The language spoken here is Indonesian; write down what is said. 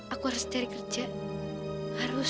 aku harus cari kerja harus